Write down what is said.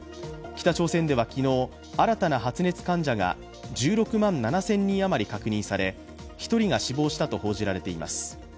北朝鮮では昨日、新たな発熱患者が１６万７０００人余り確認され、１人が死亡したと報じられています